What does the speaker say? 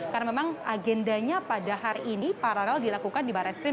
karena memang agendanya pada hari ini paralel dilakukan di barreskrim